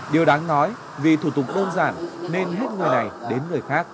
điều đáng nói vì thủ tục đơn giản nên hút người này đến người khác